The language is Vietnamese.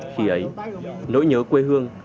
khi ấy nỗi nhớ quê hương